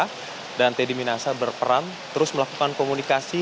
dan terdakwa teddy minasa itu berperan terus melakukan komunikasi